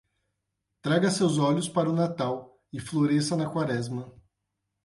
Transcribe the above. Traga seus olhos para o Natal e floresça na Quaresma.